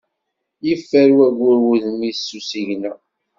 Yeffer wayyur udem-is s usigna.